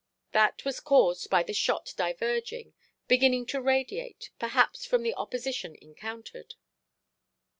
That was caused by the shot diverging, beginning to radiate, perhaps from the opposition encountered.